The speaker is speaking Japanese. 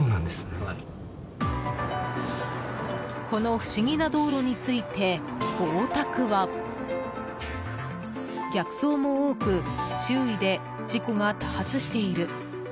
この不思議な道路について大田区は逆走も多く周囲で事故が多発している。